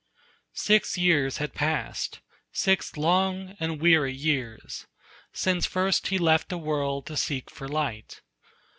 Six years had passed, six long and weary years, Since first he left the world to seek for light.